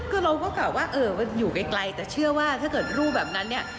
คือเราก็กล่าวว่าอยู่ไกลแต่เชื่อว่าถ้าเกิดรูปแบบนั้นเนี่ย